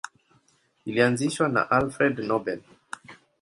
Ilianzishwa na Alfred Nobel.